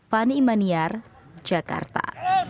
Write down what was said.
pani maniar jakarta